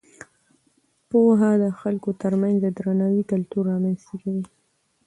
پوهه د خلکو ترمنځ د درناوي کلتور رامینځته کوي.